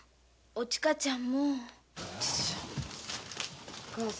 おちかちゃん